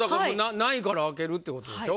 何位から開けるってことでしょ？